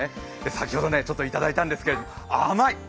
先ほどちょっといただいたんですけれども甘い！